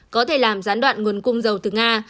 có thể làm gián đoạn nguồn cung dầu từ nga